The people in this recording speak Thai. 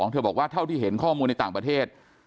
เธอบอกว่าเท่าที่เห็นข้อมูลในต่างประเทศ